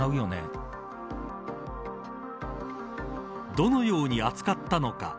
どのように扱ったのか。